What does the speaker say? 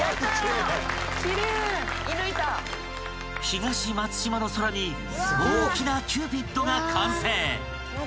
［東松島の空に大きなキューピッドが完成］